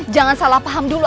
jangan salah paham dulu